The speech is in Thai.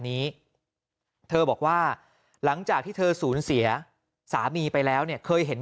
นี้เธอบอกว่าหลังจากที่เธอสูญเสียสามีไปแล้วเนี่ยเคยเห็น